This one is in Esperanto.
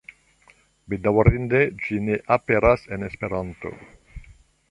Bedaŭrinde, ĝi ne aperas en Esperanto.